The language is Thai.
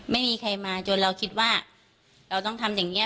ไม่มีใครมาจนเราคิดว่าเราต้องทำอย่างนี้